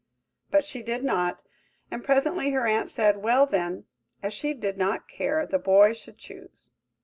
But she did not; and presently her aunt said, "Well, then, as she did not care, the boy should choose."